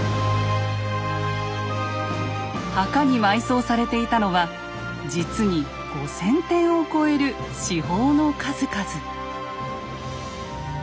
墓に埋葬されていたのは実に５，０００点を超える至宝の数々。